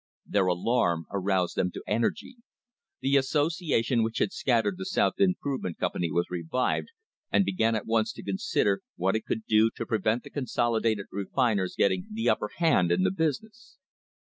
Their alarm aroused them to energy. The association which had scattered the South Improvement Company was revived, and began at once to consider what it could do to prevent the consolidated refiners getting the upper hand in the business.